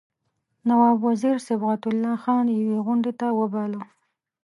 نواب وزیر صبغت الله خان یوې غونډې ته وباله.